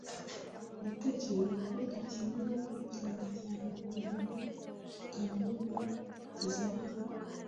Ndatekereza ko dukeneye kwitonda cyane kugirango tutababaza Hakizimana .